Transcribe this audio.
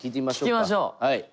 聞きましょう！